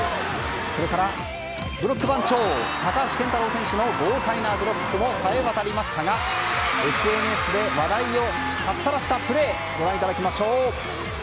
それからブロック番長高橋健太郎選手の豪快なブロックもさえ渡りましたがＳＮＳで話題をかっさらったプレーご覧いただきましょう。